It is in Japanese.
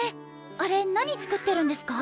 あれ何作ってるんですか？